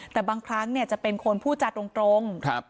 แต่บางครั้งเนี่ยจะเป็นคนผู้จาตรงตรงครับ